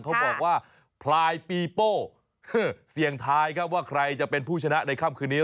เขาบอกว่าพลายปีโป้เสี่ยงทายครับว่าใครจะเป็นผู้ชนะในค่ำคืนนี้